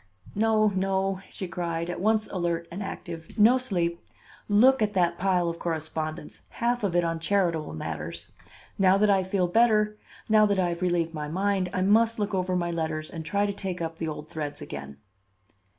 "No, no," she cried, at once alert and active; "no sleep. Look at that pile of correspondence, half of it on charitable matters. Now that I feel better, now that I have relieved my mind, I must look over my letters and try to take up the old threads again."